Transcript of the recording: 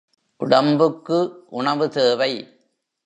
உடம்புக்கு உணவு தேவை.